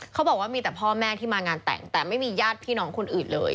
เขาบอกว่ามีแต่พ่อแม่ที่มางานแต่งแต่ไม่มีญาติพี่น้องคนอื่นเลย